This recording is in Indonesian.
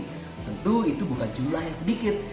tentu itu bukan jumlah yang sedikit